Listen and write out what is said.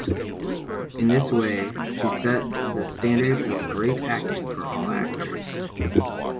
In this way, she set the standard of great acting for all actors.